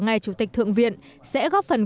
ngài chủ tịch thượng viện sẽ góp phần